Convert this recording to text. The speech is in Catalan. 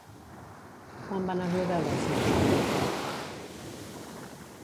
Quan va anar-lo a veure el seu progenitor?